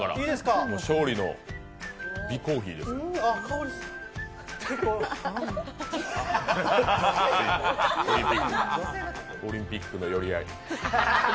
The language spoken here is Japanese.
香りがオリンピックの寄り合い。